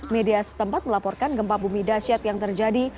media setempat melaporkan gempa bumi dasyat yang terjadi